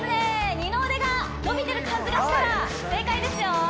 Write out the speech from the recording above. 二の腕が伸びてる感じがしたら正解ですよ